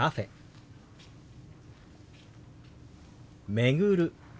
「巡る」。